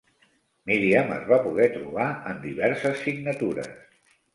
Miriam es va poder trobar en diverses signatures.